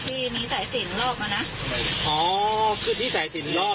ที่มีสายสินรอบมาน่ะอ๋อคือที่สายสินรอบอ่ะน่ะ